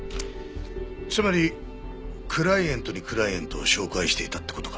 つまりクライエントにクライエントを紹介していたって事か？